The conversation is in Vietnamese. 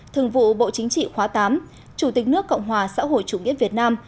thường vụ bộ chính trị khóa tám chủ tịch nước cộng hòa xã hội chủ nghĩa việt nam